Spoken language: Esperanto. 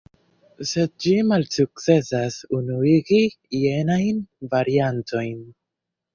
Sed ĝi malsukcesas unuigi jenajn variantojn.